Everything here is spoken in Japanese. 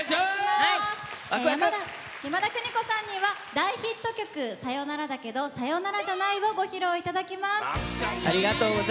山田邦子さんには「さよならだけどさよならじゃない」をご披露いただきます。